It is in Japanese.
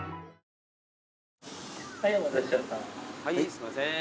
すいません。